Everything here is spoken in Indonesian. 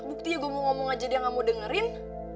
buktinya gue mau ngomong aja dia gak mau dengerin